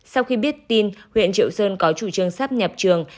sau khi biết tin huyện triệu sơn có chủ trương sắp nhập trường